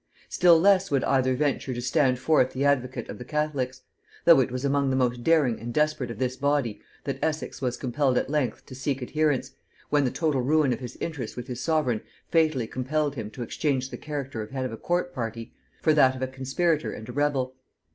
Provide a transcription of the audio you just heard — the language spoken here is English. Still less would either venture to stand forth the advocate of the catholics; though it was among the most daring and desperate of this body that Essex was compelled at length to seek adherents, when the total ruin of his interest with his sovereign fatally compelled him to exchange the character of head of a court party for that of a conspirator and a rebel.